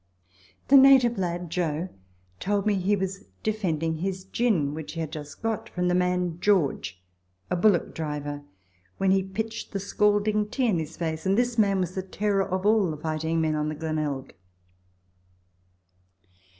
The native lad Joe told me he was defending his gin, which he had just got, from the man George, a bullock driver, when he pitched the scalding tea in his face, and this man was the terror of all the fighting men on the Glenelg.